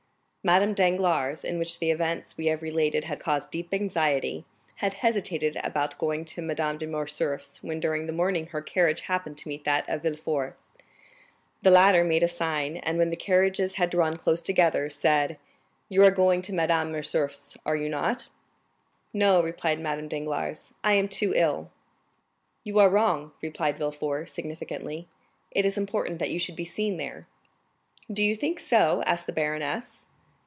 Madame Danglars, in whom the events we have related had caused deep anxiety, had hesitated about going to Madame de Morcerf's, when during the morning her carriage happened to meet that of Villefort. The latter made a sign, and when the carriages had drawn close together, said: "You are going to Madame de Morcerf's, are you not?" "No," replied Madame Danglars, "I am too ill." "You are wrong," replied Villefort, significantly; "it is important that you should be seen there." "Do you think so?" asked the baroness.